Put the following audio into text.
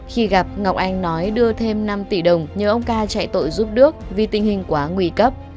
khi gặp ngọc anh nói đưa thêm năm tỷ đồng nhờ ông ca chạy tội giúp đước vì tình hình quá nguy cấp